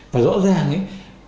và rõ ràng ấy